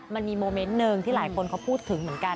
มันมีโมเมนต์หนึ่งที่หลายคนเขาพูดถึงเหมือนกัน